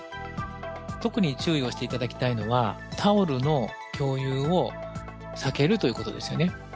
特に注意をしていただきたいのはタオルの共有を避けるということですよね。